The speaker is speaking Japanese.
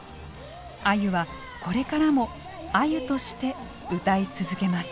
あゆはこれからもあゆとして歌い続けます。